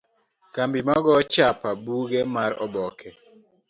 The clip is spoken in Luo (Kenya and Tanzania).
Kambi ma goyo chapa buge mar oboke.